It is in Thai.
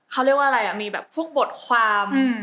เขาเรียกว่าอะไรอะมีแบบพูดความ